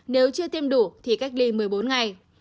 nếu chưa tiêm đủ thì cách ly một mươi bốn ngày